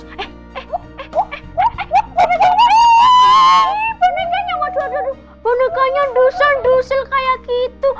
hiiii bonekanya waduh aduh bonekanya dusel' kayak gitu